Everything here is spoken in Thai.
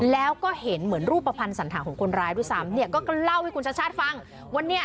แล้วก็เห็นเหมือนรูปภัณฑ์สันธารของคนร้ายด้วยซ้ำเนี่ยก็เล่าให้คุณชาติชาติฟังว่าเนี่ย